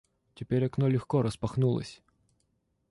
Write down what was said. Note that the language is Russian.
Теперь окно легко распахнулось.